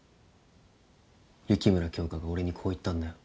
雪村京花が俺にこう言ったんだよ。